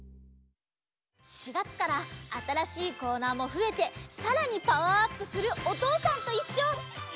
４がつからあたらしいコーナーもふえてさらにパワーアップする「おとうさんといっしょ」。